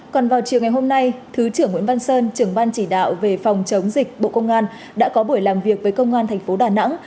còn vào chiều ngày hôm nay thứ trưởng nguyễn văn sơn trưởng ban chỉ đạo về phòng chống dịch bộ công an đã có buổi làm việc với công an thành phố đà nẵng